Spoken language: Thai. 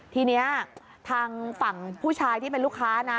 ทีนี้ทางฝั่งผู้ชายที่เป็นลูกค้านะ